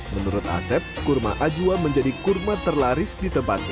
menurut asep kurma ajwa menjadi kurma terlaris di tempatnya